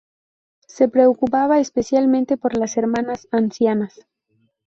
Se preocupaba especialmente por las hermanas ancianas.